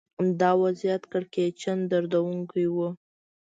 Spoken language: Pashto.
دا وضعیت کړکېچن دردونکی و